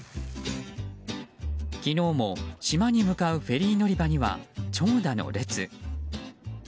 昨日も、島に向かうフェリー乗り場には長蛇の列。